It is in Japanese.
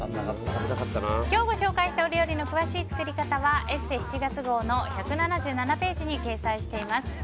今日ご紹介したお料理の詳しい作り方は「ＥＳＳＥ」７月号１７７ページに掲載しています。